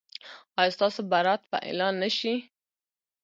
ایا ستاسو برات به اعلان نه شي؟